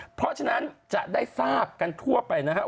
เพราะฉะนั้นจะได้ทราบกันทั่วไปนะครับ